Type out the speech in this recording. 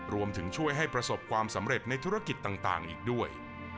รวมถึงช่วยให้ประสบความสำเร็จในธุรกิจต่างอีกด้วย